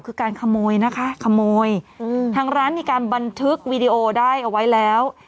คือการขโมยนะคะขโมยอืมทางร้านมีการบันทึกวีดีโอได้เอาไว้แล้ว